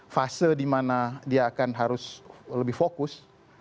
fase dimana dia akan harus lebih fokus